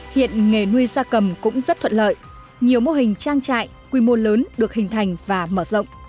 hiện nghề nuôi gia cầm cũng rất thuận lợi nhiều mô hình trang trại quy mô lớn được hình thành và mở rộng